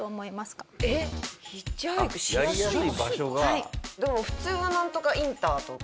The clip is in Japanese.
でも普通はなんとかインターとか。